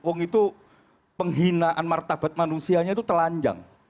wong itu penghinaan martabat manusianya itu telanjang